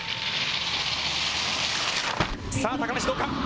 さあ高梨、どうか。